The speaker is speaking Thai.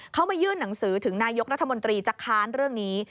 เขามายื่นหนังสือถึงนายกรัฐมนตรีจะค้านเรื่องนี้